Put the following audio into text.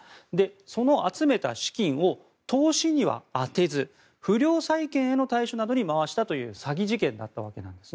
その集めた資金を投資には充てず不良債権への対処などに回したという詐欺事件だったわけなんです。